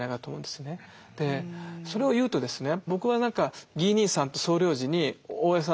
それを言うとですね